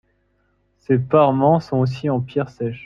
Ces parements sont aussi en pierres sèches.